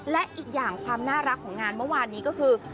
และอีกอย่างความน่ารักของงานเมื่อวานนี้ก็คือ